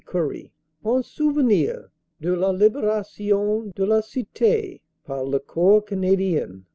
Currie en souvenir de la liberation de la cite par le Corps Canadien."